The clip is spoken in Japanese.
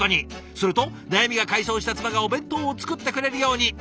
すると悩みが解消した妻がお弁当を作ってくれるように。